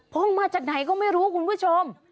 มาจากไหนก็ไม่รู้คุณผู้ชม